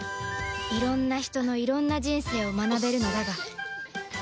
いろんな人のいろんな人生を学べるのだが